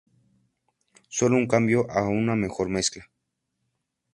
Sólo un cambio a una mejor mezcla.